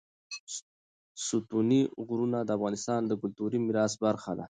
ستوني غرونه د افغانستان د کلتوري میراث برخه ده.